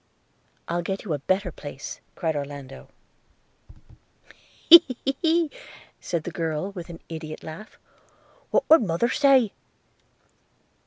'I'll get you a better place,' cried Orlando. 'He! he!' said the girl with an ideot laugh – 'what would mother say?'